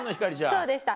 そうでした。